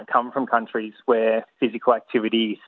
mereka mungkin datang dari negara di mana aktivitas fisik